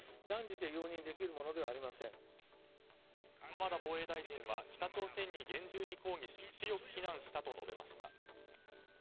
浜田防衛大臣は北朝鮮に厳重に抗議し強く非難したと述べました。